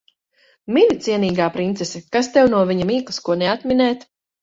Mini, cienīgā princese. Kas tev no viņa mīklas ko neatminēt.